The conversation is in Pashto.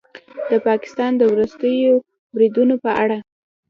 د پاکستان د وروستیو بریدونو په اړه